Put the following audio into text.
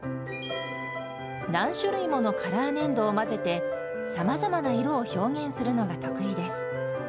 何種類ものカラー粘土を混ぜて、さまざまな色を表現するのが得意